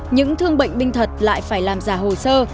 những thương bệnh binh thật lại phải làm giả hồ sơ